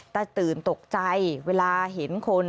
แต่ตื่นตกใจเวลาเห็นคน